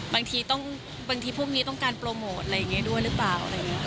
บางทีต้องบางทีพวกนี้ต้องการโปรโมทอะไรอย่างนี้ด้วยหรือเปล่าอะไรอย่างนี้